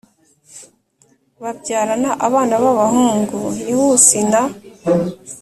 Babyarana abana b abahungu yewushi na